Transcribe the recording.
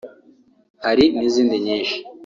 hari n’izindi nyinshi”